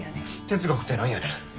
哲学って何やねん。